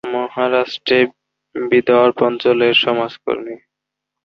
মহারাষ্ট্রের বিদর্ভ অঞ্চলের সমাজকর্মী।